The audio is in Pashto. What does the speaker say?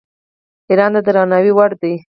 ایران د درناوي وړ دی.